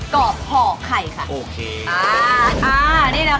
ขอบคุณครับ